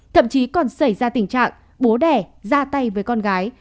thậm chí còn xảy ra tình trạng bố đẻ ra tay với con gái